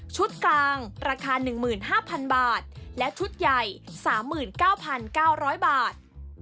กลางราคา๑๕๐๐๐บาทและชุดใหญ่๓๙๙๐๐บาท